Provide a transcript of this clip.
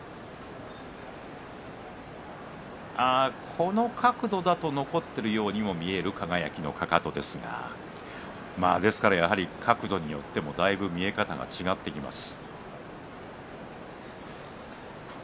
この角度だと残っているようにも見える輝のかかとですが角度によっても見え方が違ってきます。